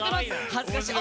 恥ずかしい。